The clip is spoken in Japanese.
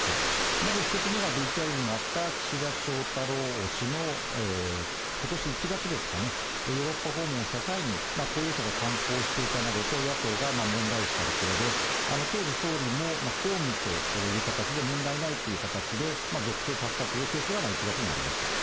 まず１つ目がＶＴＲにもあった岸田翔太郎氏のことし１月ですかね、ヨーロッパ訪問した際に公用車で観光していたなどと、野党が問題視したところで、当時、総理も公務という形で問題ないという形で続投させたというケースが１月にありました。